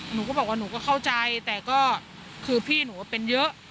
หนูก็บอกว่าหนูก็เข้าใจแต่ก็คือพี่หนูเป็นเยอะ